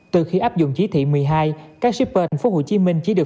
từ khi áp dụng chí thị một mươi hai các shipper thành phố hồ chí minh chỉ được